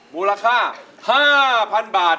มูลค่า๕๐๐๐บาท